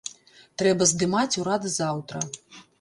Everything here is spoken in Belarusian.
Трэба здымаць урад заўтра.